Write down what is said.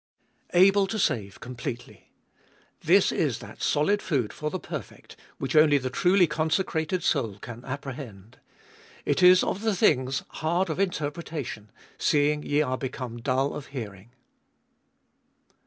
/. Able to save completely. This is that solid food for the perfect which only the truly consecrated soul can apprehend. It is of the things "hard of Interpretation, seeing ye are become dull of hearing."